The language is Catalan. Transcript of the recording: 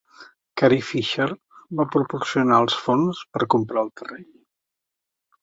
Carl Fisher va proporcionar els fons per comprar el terreny.